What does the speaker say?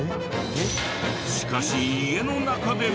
しかし家の中では。